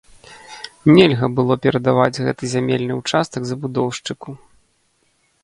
Нельга было перадаваць гэты зямельны участак забудоўшчыку.